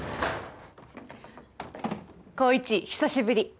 紘一久しぶり。